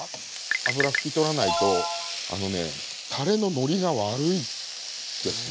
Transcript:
脂拭き取らないとあのねたれののりが悪いですね